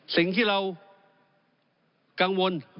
สิ่งที่เรากังวล